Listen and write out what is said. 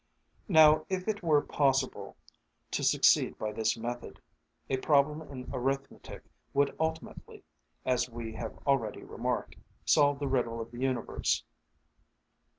Now if it were possible to succeed by this method, a problem in arithmetic would ultimately, as we have already remarked, solve the riddle of the universe.